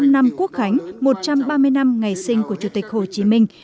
bảy mươi năm năm quốc khánh một trăm ba mươi năm ngày sinh của chủ tịch hồ chí minh